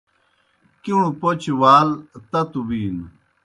کِݨوْ پوْچوْ وال تتوْ بِینوْ۔